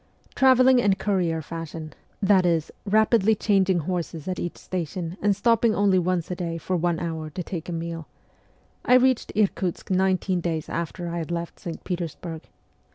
Travelling in courier fashion that is, rapidly changing horses at each station and stopping only once a day for one hour to take a meal I reached Irkutsk nineteen days after I had left St. Petersburg.